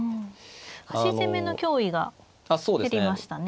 端攻めの脅威が減りましたね。